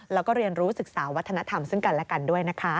แล้วก็เรียนรู้ศึกษาวัฒนธรรมซึ่งกันและกันด้วยนะคะ